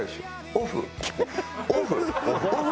オフ？